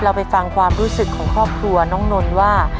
ไปฟังความรู้สึกของครอบครัวน้องนนท์ว่า